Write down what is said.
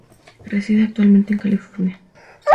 Reside actualmente en California.